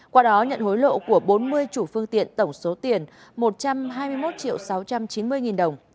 qua đó nhận hối lộ của bốn mươi chủ phương tiện tổng số tiền một trăm hai mươi một sáu trăm chín mươi nghìn đồng